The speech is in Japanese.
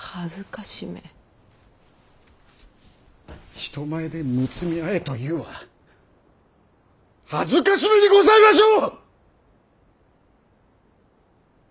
人前でむつみ合えというは辱めにございましょう！